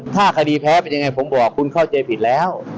ถ้าคดีแพ้เป็นยังไงผมบอกคุณเข้าใจผิดแล้ว